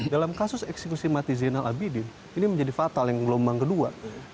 dalam kasus eksekusi mati zainal abidin ini menjadi fatal yang gelombang kedua